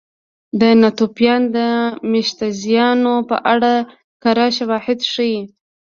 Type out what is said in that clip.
د ناتوفیان مېشتځایونو په اړه کره شواهد ښيي.